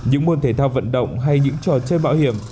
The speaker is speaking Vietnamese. những môn thể thao vận động hay những trò chơi bảo hiểm